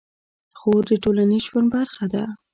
خور د ټولنیز ژوند برخه ده.